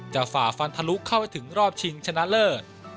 ฝ่าฟันทะลุเข้าไปถึงรอบชิงชนะเลิศ